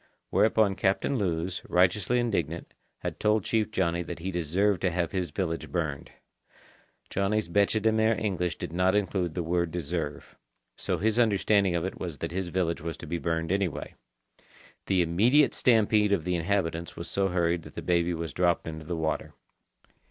Whereupon Captain Lewes, righteously indignant, had told Chief Johnny that he deserved to have his village burned. Johnny's bêche de mer English did not include the word "deserve." So his understanding of it was that his village was to be burned anyway. The immediate stampede of the inhabitants was so hurried that the baby was dropped into the water.